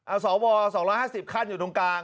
เอาสว๒๕๐ขั้นอยู่ตรงกลาง